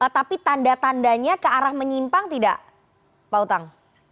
tapi tanda tandanya ke arah menyimpang tidak pak utang